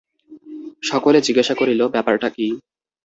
সকলে জিজ্ঞাসা করিল, ব্যাপারটা কী?